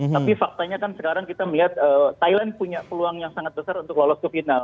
tapi faktanya kan sekarang kita melihat thailand punya peluang yang sangat besar untuk lolos ke final